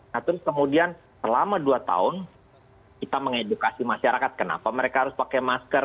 nah terus kemudian selama dua tahun kita mengedukasi masyarakat kenapa mereka harus pakai masker